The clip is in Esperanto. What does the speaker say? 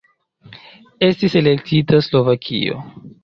Estis elektita Slovakio.